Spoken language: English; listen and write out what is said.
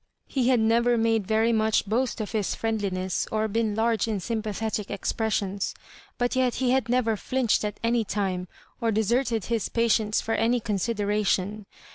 He had neyer made yeiy much boast of his friendliness or been large in sympathetic expressions) but yet he had never flinched at any time, or deserted his patients ibr any con sideration.